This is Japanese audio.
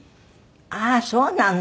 ああそうなの？